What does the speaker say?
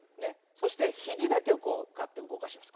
そしてひじだけをこうガッてうごかします